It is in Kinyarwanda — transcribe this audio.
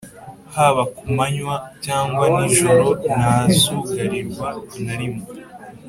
haba ku manywa cyangwa nijoro ntazugarirwa na rimwe,